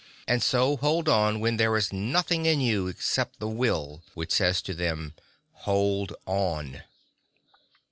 And so hold on when there is nothing in you Except the Will which says to them: 'Hold on!'